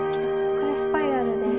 これスパイラルです。